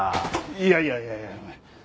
いやいやいやいや。